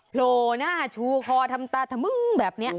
โผล่หน้าชูคอทำตาถมึงแบบนี้